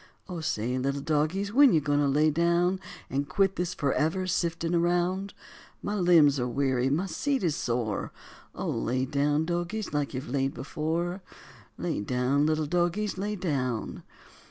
O say, little dogies, when you goin' to lay down And quit this forever siftin' around? My limbs are weary, my seat is sore; Oh, lay down, dogies, like you've laid before, Lay down, little dogies, lay down.